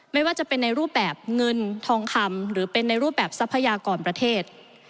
ไม่ว่าจะเป็นในรูปแบบเงินทองคำหรือเป็นในรูปแบบทรัพยากรประเทศ